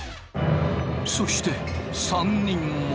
そして３人も。